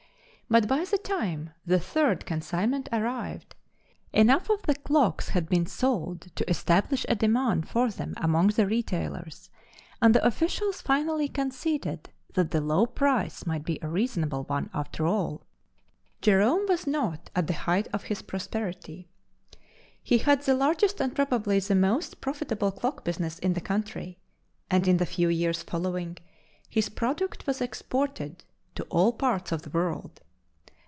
But by the time the third consignment arrived, enough of the clocks had been sold to establish a demand for them among the retailers, and the officials finally conceded that the low price might be a reasonable one after all. Jerome was not at the height of his prosperity. He had the largest and probably the most profitable clock business in the country; and, in the few years following, his product was exported to all parts of the world.